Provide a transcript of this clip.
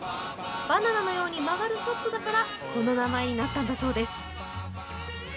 バナナのように曲がるショットだからこの名前になったんだそうです。